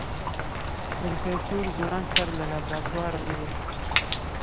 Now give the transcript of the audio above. پروفيسر ځوړند سر له لابراتواره ووت.